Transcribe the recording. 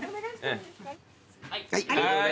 はい。